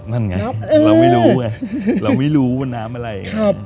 นั่นไงเราไม่รู้ไงเราไม่รู้ว่าน้ำอะไร